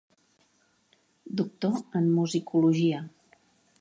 Doctor en musicologia.